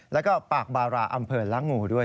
แล้วก็ปากบาระอำเภิร์นล้างงูด้วย